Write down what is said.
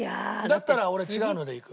だったら俺違うのでいく。